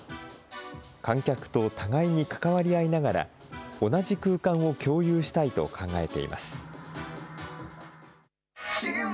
観客と互いに関わり合いながら、同じ空間を共有したいと考えています。